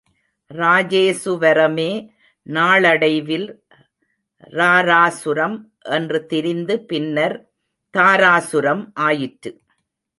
ராஜேசுவரமே நாளடைவில் ராராசுரம் என்று திரிந்து பின்னர் தாராசுரம் ஆயிற்று.